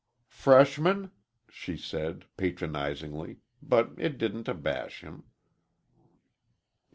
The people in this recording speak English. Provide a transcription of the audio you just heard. "Freshman?" she said, patronizingly, but it didn't abash him.